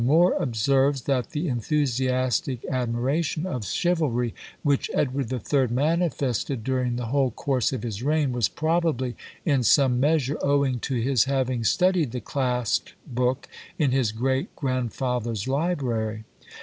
Moore observes that the enthusiastic admiration of chivalry which Edward III. manifested during the whole course of his reign, was probably, in some measure, owing to his having studied the clasped book in his great grandfather's library.